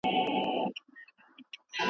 آیتونه د رحمان راته واخله